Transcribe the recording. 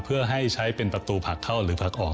เพื่อให้ใช้เป็นประตูผลักเข้าหรือผลักออก